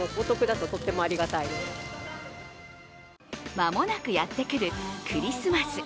間もなくやってくるクリスマス。